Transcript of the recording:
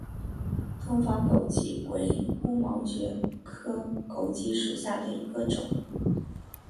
东方狗脊为乌毛蕨科狗脊属下的一个种。